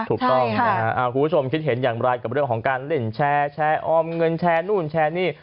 ถูกต้องนะครับคุณผู้ชมคิดเห็นอย่างไรกับเรื่องของการเล่นแชร์แชร์ออมเงินแชร์นู่นแชร์นี่